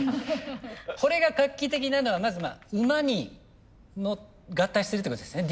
これが画期的なのはまず馬に合体してるってことですね